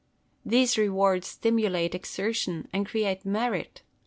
These rewards stimulate exertion and create merit.